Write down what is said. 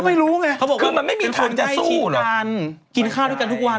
ก็ไม่รู้ไงเขาบอกว่าคือมันไม่มีทางจะสู้หรอเป็นคนใกล้ชิดกันกินข้าวด้วยกันทุกวัน